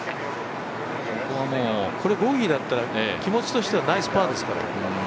ボギーだったら気持ちとしてはナイスパーですから。